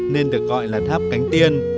nên được gọi là tháp cánh tiên